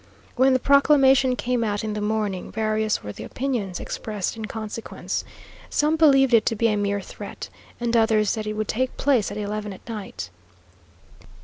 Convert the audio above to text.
When the proclamation came out in the morning, various were the opinions expressed in consequence. Some believed it to be a mere threat, and others that it would take place at eleven at night.